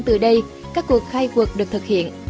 trước đây các cuộc khai quật được thực hiện